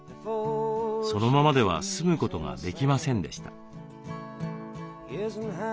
そのままでは住むことができませんでした。